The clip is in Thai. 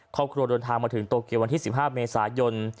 ครอบครัวเดินทางมาถึงโตเกียววันที่๑๕เมษายน